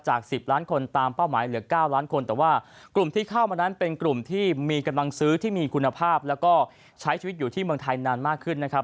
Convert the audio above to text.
๑๐ล้านคนตามเป้าหมายเหลือ๙ล้านคนแต่ว่ากลุ่มที่เข้ามานั้นเป็นกลุ่มที่มีกำลังซื้อที่มีคุณภาพแล้วก็ใช้ชีวิตอยู่ที่เมืองไทยนานมากขึ้นนะครับ